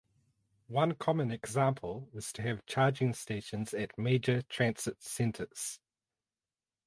One common example is to have charging stations at major transit centers.